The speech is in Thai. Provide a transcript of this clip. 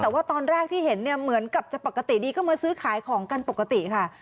แต่ว่าตอนแรกที่เห็นเนี่ยเหมือนกับจะปกติดีก็มาซื้อขายของกันปกติค่ะ